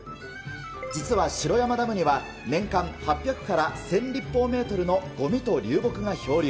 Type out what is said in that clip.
実は城山ダムには、年間８００から１０００立方メートルのごみと流木が漂流。